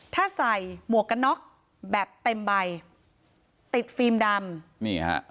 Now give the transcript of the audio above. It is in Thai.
ถ้าใส่หมวกกันน็อกแบบเต็มใบติดฟิล์มดำนี่ฮะ